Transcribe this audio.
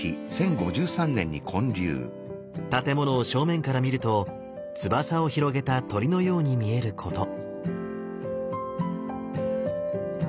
建物を正面から見ると翼を広げた鳥のように見えること。